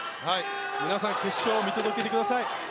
皆さん決勝を見届けてください。